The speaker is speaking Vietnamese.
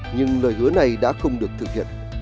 nhưng lời hứa này đã không được thực hiện